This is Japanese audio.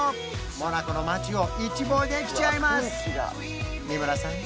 モナコの街を一望できちゃいます三村さん